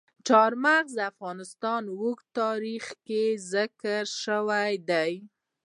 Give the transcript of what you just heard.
چار مغز د افغانستان په اوږده تاریخ کې ذکر شوي دي.